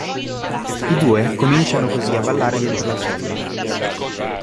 I due cominciano così a ballare dentro la cella.